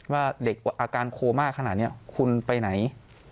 ว่าเด็กอาการโคม่าขนาดนี้คุณไปไหน